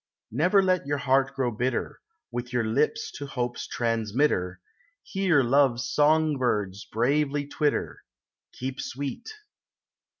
Never let your heart grow bitter; With your lips to Hope's transmitter, Hear Love's songbirds bravely twitter, "Keep sweet."